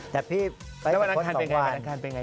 แต่พี่ไปกับคนสองวัน